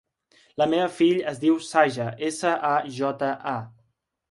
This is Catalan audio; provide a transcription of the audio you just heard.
La meva filla es diu Saja: essa, a, jota, a.